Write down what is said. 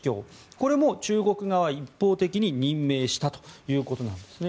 これも中国側は一方的に任命したということなんです。